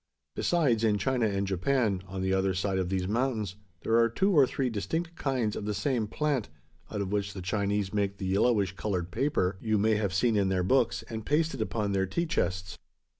Besides, in China and Japan, on the other side of these mountains, there are two or three distinct kinds of the same plant out of which the Chinese make the yellowish coloured paper, you may have seen in their books, and pasted upon their tea chests.